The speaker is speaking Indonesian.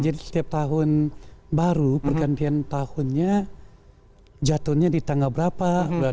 jadi setiap tahun baru pergantian tahunnya jatuhnya di tanggal berapa berapa